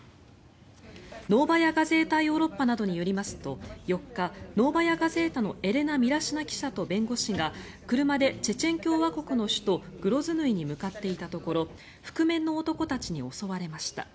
ノーバヤ・ガゼータ・ヨーロッパなどによりますと４日ノーバヤ・ガゼータのエレナ・ミラシナ記者と弁護士が車でチェチェン共和国の首都グロズヌイに向かっていたところ覆面の男たちに襲われました。